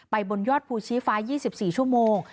บนยอดภูชีฟ้า๒๔ชั่วโมง